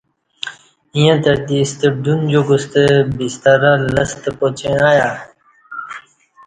ییں تہ دی ستہ ڈون جُوکہ ستہ بسترہ لستہ پاچیں ایا